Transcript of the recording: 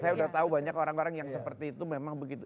saya sudah tahu banyak orang orang yang seperti itu memang begitu